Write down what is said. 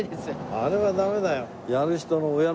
あれはダメだよ。